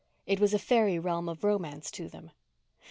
It was a fairy realm of romance to them.